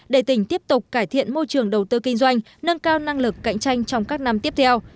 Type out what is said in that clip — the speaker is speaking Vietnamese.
để tỉnh tiếp tục cải thiện môi trường đầu tư kinh doanh nâng cao năng lực cạnh tranh trong các năm tiếp theo